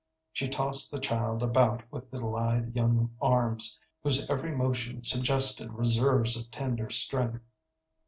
She tossed the child about with lithe young arms, whose every motion suggested reserves of tender strength.